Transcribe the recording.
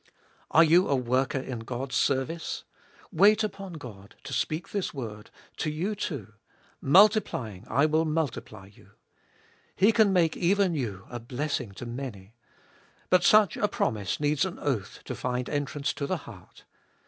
4. Are you a worker in God's service? Wait upon God to speah this word to you too, Multiplying 1 will multiply you. He can make even you a blessing to many. But such a premise needs an oath to find entrance to the heart.